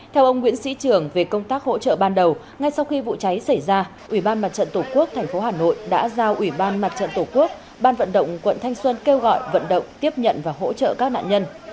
theo ông nguyễn sĩ trường về công tác hỗ trợ ban đầu ngay sau khi vụ cháy xảy ra ủy ban mặt trận tổ quốc tp hà nội đã giao ủy ban mặt trận tổ quốc ban vận động quận thanh xuân kêu gọi vận động tiếp nhận và hỗ trợ các nạn nhân